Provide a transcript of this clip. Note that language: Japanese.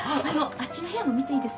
あっちの部屋も見ていいですか？